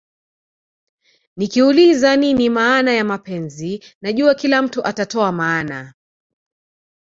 Nikiuliza nini maana ya mapenzi najua kila mtu atatoa maana